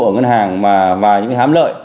ở ngân hàng và những hám lợi